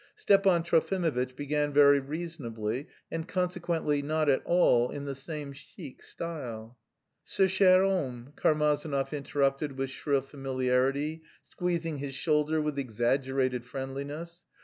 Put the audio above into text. Stepan Trofimovitch began very reasonably (and consequently not at all in the same "chic" style). "Ce cher homme," Karmazinov interrupted with shrill familiarity, squeezing his shoulder with exaggerated friendliness.